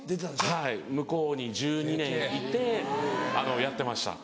はい向こうに１２年いてやってました。